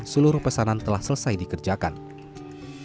seluruh pesanan telah selesai di sini